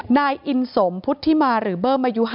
นายอินสมพุทธิมาหรือเบอร์มายุ๕๐ปี